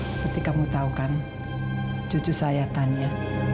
seperti kamu tahu kan cucu saya tanya